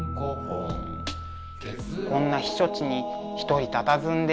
こんな避暑地に一人たたずんで。